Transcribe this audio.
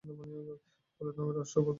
হলুদ নামের উৎস আজও অজানা।